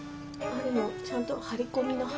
でもちゃんと張り込みの「張」。